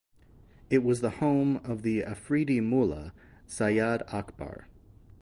It was the home of the Afridi mullah Sayad Akbar.